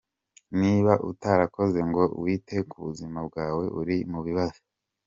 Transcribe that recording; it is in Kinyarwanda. Niba utarakoze ngo wite ku buzima bwawe, uri mu bibazo.